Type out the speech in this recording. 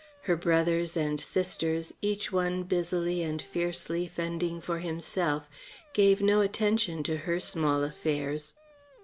Her brothers and sisters, each one busily and fiercely fending for himself, gave no attention to her small affairs.